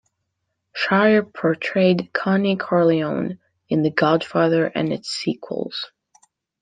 Shire portrayed Connie Corleone in "The Godfather" and its sequels.